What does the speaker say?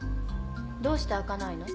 どうして開かないの？